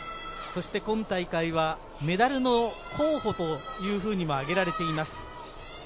今大会はメダルの候補というふうに挙げられています。